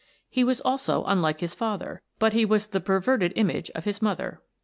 He was also unlike his father, but he was the per verted image of his mother.